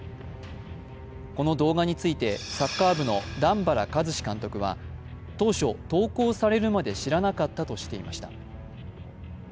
この動画についてサッカー部の段原一詞監督は当初、投稿されるまで知らなかったとしていました。